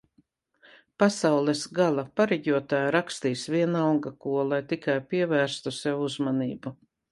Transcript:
Pasaules gala pareģotāji rakstīs vienalga ko, lai tikai pievērstu sev uzmanību